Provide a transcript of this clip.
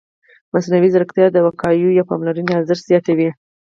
مصنوعي ځیرکتیا د وقایوي پاملرنې ارزښت زیاتوي.